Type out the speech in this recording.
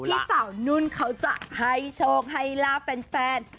ที่สาวนุ่นเขาจะให้โชคให้ลาบแฟน